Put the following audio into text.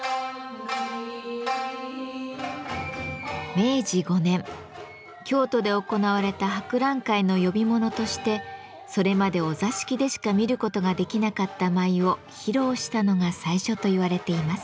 明治５年京都で行われた博覧会の呼び物としてそれまでお座敷でしか見ることができなかった舞を披露したのが最初と言われています。